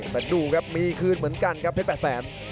แต่ดูครับมีคืนเหมือนกันครับเพชรแปดแสน